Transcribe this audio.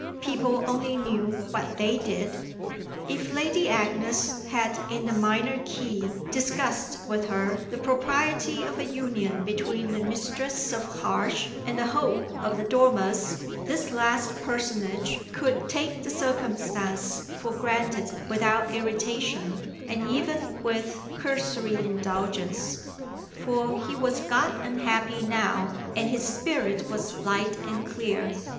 People only knew what they did. If Lady Agnes had in the minor key discussed with her the propriety of a union between the mistress of Harsh and the hope of the Dormers this last personage could take the circumstance for granted without irritation and even with cursory indulgence; for he was got unhappy now and his spirit was light and clear.